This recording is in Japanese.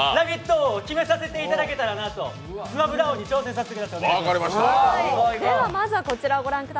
王を決めさせてもらえたらなとスマブラ王に挑戦させてください。